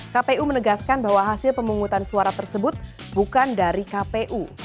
kpu menegaskan bahwa hasil pemungutan suara tersebut bukan dari kpu